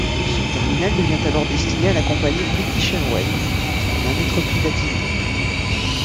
Ce terminal devient alors destiné à la compagnie British Airways, qui vient d'être privatisée.